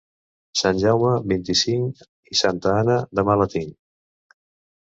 Sant Jaume, vint-i-cinc; i santa Anna, demà la tinc.